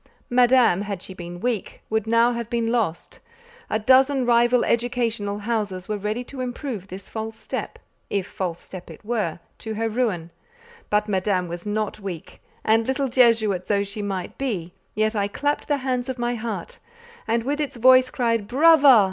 Madame, had she been weak, would now have been lost: a dozen rival educational houses were ready to improve this false step—if false step it were—to her ruin; but Madame was not weak, and little Jesuit though she might be, yet I clapped the hands of my heart, and with its voice cried "brava!"